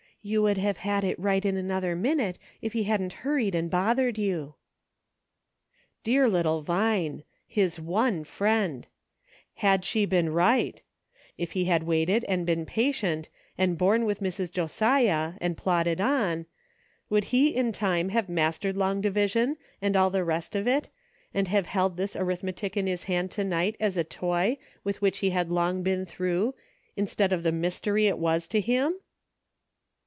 You would have had it right in another minute if he hadn't hurried and bothered you." Dear little Vine, his one friend ! Had she been right ! If he had waited and been patient, and borne with Mrs. Josiah, and plodded on, would he in time have mastered long division and all the rest of it, and have held this arithmetic in his hand to night as a toy with which he had long been through, instead of the mystery it was to him